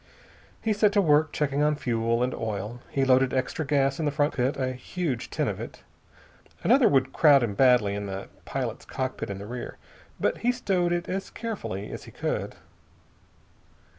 He set to work checking on fuel and oil. He loaded extra gas in the front cockpit, a huge tin of it. Another would crowd him badly in the pilot's cockpit in the rear, but he stowed it as carefully as he could.